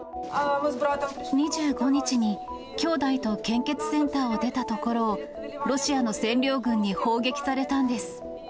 ２５日に兄弟と献血センターを出たところを、ロシアの占領軍に砲撃されたんです。